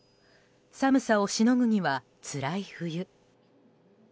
寒さをしのぐには、つらい冬。